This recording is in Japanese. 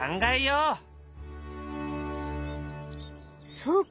そうか。